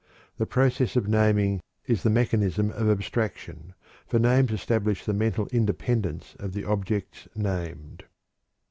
The process of naming is the mechanism of abstraction, for names establish the mental independence of the objects named."